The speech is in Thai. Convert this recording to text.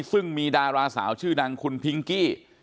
ซึ่งมีดาราสาวชื่อดังคุณพิงกี้